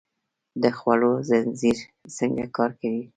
د خوړو زنځیر څنګه کار کوي؟